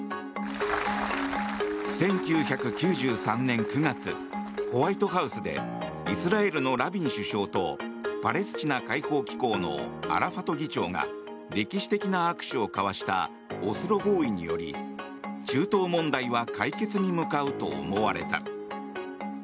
１９９３年９月ホワイトハウスでイスラエルのラビン首相とパレスチナ解放機構のアラファト議長が歴史的な握手を交わしたオスロ合意により中東問題は解決に向かうと思われた。